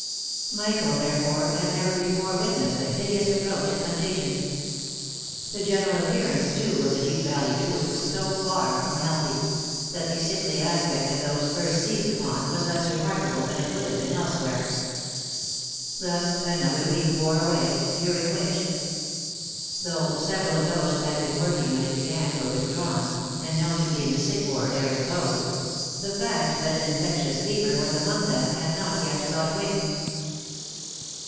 Michael, therefore, had never before wit nessed the hideous approach of contagion. The general appearance too of the Deep Valley troop was so far from healthy, that the sickly aspect of those first seized upon was less remarkable than it would have been elsewhere. Thus another week wore away, during which, though several of those who had been working when it began were withdrawn, and known to be in the sick ward ere it closed, the fact that an infectious fever was among them had not yet got wing.